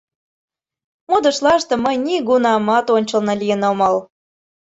Модышлаште мый нигунамат ончылно лийын омыл.